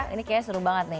ini kayaknya seru banget nih